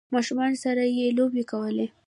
ماشومانو سره یی لوبې کولې